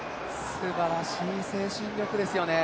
すばらしい精神力ですよね。